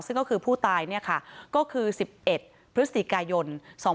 ซึ่งก็คือผู้ตายเนี่ยค่ะก็คือ๑๑พฤศจิกายน๒๕๕๙